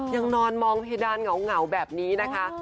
ยังนอนมองเพดานเหงาแบบนี้นะคะ